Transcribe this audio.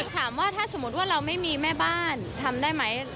ถามว่าถ้าสมมุติว่าเราไม่มีแม่บ้านทำได้ไหม